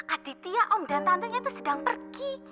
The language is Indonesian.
aditya om dan tantenya itu sedang pergi